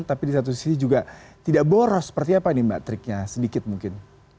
tapi di satu sisi juga tidak boros seperti apa ini mbak triknya sedikit mungkin